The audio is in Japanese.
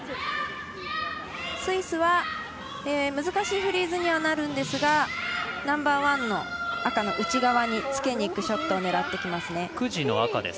スイスは難しいフリーズにはなるんですがナンバーワンの赤の内側につけにいくショットを狙ってきますね。